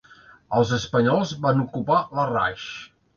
Els espanyols van ocupar Larraix.